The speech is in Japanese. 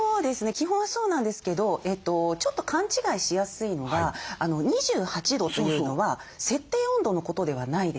基本はそうなんですけどちょっと勘違いしやすいのが２８度というのは設定温度のことではないです。